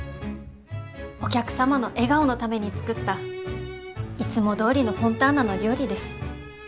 お客様の笑顔のために作ったいつもどおりのフォンターナの料理です。